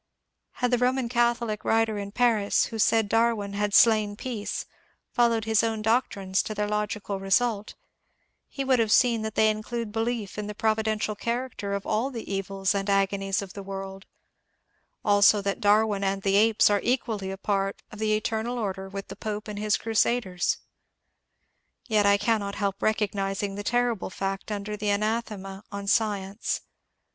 Had the Roman Catholic writer in Paris, who said Darwin had slain Peace, followed his own doctrines to their logical result, he would have seen that they include belief in the pro vidential character of all the erils and agonies of the world ; also that Darwin and the apes are equally a part of the eter nal order with the Pope and his crusaders. Yet I cannot help recognizing the terrible fact under that anathema on science.